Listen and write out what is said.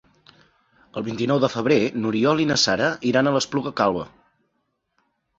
El vint-i-nou de febrer n'Oriol i na Sara iran a l'Espluga Calba.